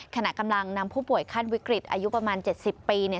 ขณะกำลังนำผู้ป่วยขั้นวิกฤตอายุประมาณ๗๐ปีเนี่ย